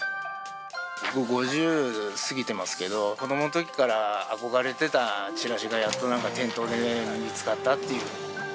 僕、５０過ぎてますけど、子どものときから憧れてたチラシが、やっと店頭で見つかったっていう。